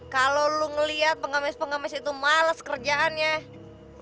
kalau lo ngeliat pengamis pengamis itu males kerjaan lo